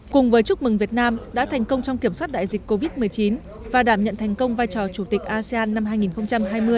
cùng với chúc mừng việt nam đã thành công trong kiểm soát đại dịch covid một mươi chín và đảm nhận thành công vai trò chủ tịch asean năm hai nghìn hai mươi